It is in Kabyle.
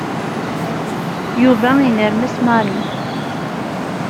Yuba inermes Mary.